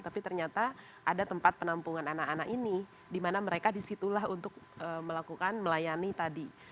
tapi ternyata ada tempat penampungan anak anak ini di mana mereka disitulah untuk melakukan melayani tadi